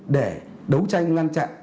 để đấu tranh ngăn chặn